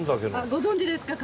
ご存じですか？